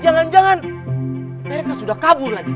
jangan jangan mereka sudah kabur lagi